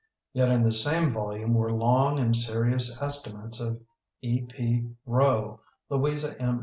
Yet in this same volume were long and seripus estimates of E. P. Roe, Louisa M.